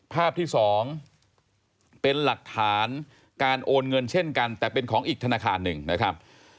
ภาพที่สองเป็นหลักฐานการโอนเงินเช่นกันแต่เป็นของอีกธนาคารหนึ่งนะครับ